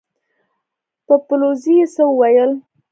په بلوڅي يې څه وويل!